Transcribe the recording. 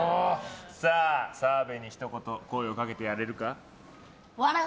澤部にひと言声をかけてやれるか？